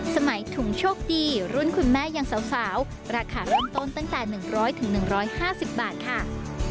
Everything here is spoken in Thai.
สมัยถุงโชคดีรุ่นคุณแม่ยังสาวราคาเริ่มต้นตั้งแต่๑๐๐๑๕๐บาทค่ะ